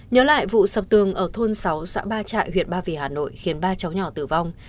nhớ lại vụ sập tường ở thôn sáu xã ba trại huyện ba vì hà nội khiến ba cháu nhỏ tử vong